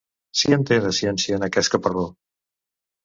Si en té, de ciència, en aquest caparró!